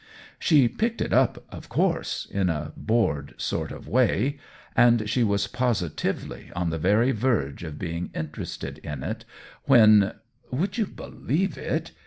She picked it up, of course, in a bored sort of way; and she was positively on the very verge of being interested in it when would you believe it?